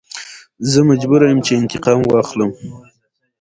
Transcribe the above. افغانستان د پکتیا په برخه کې نړیوالو بنسټونو سره کار کوي.